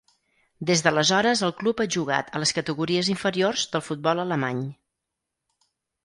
Des d'aleshores el club ha jugat a les categories inferiors del futbol alemany.